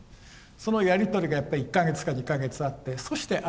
そのやり取りがやっぱり１か月か２か月あってそして会いにいく。